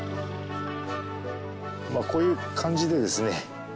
まあこういう感じでですね。